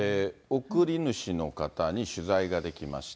送り主の方に取材ができました。